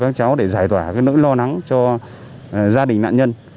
các cháu để giải tỏa cái nỗi lo nắng cho gia đình nạn nhân